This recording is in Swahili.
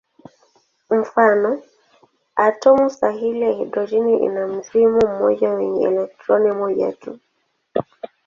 Mfano: atomu sahili ya hidrojeni ina mzingo mmoja wenye elektroni moja tu.